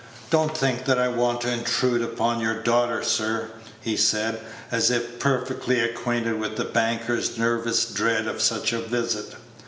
"Don't think that I want to intrude upon your daughter, sir," he said, as if perfectly acquainted with the banker's nervous dread of such a visit.